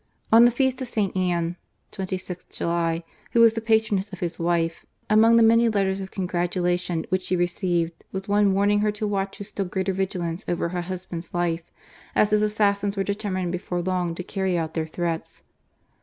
On the feast of St. Anne (26th y), who was the patroness of his wife, among ; many letters of congratulation which she received, was one warning her to watch with still greater vigilance over her husband's life, as his assassins were determined before long to carry out their threats.